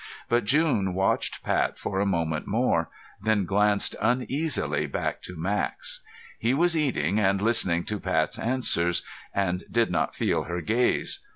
But June watched Pat for a moment more, then glanced uneasily back to Max. He was eating and listening to Pat's answers and did not feel her gaze.